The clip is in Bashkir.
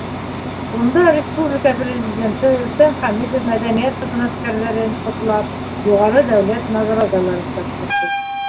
Унда республика Президенты Рөстәм Хәмитов мәҙәниәт хеҙмәткәрҙәрен ҡотлап, юғары дәүләт наградаларын тапшырҙы.